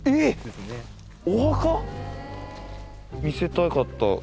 見せたかった。